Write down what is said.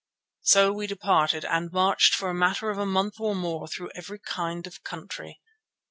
So we departed and marched for the matter of a month or more through every kind of country.